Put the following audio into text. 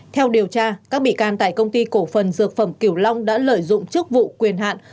theo điều tra các bị can tại công ty cổ phần dược phẩm kiểu long đã lợi dụng chức vụ quyền hạn